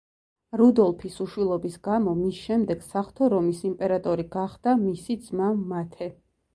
რუდოლფის უშვილობის გამო მის შემდეგ საღვთო რომის იმპერატორი გახდა მისი ძმა, მათე.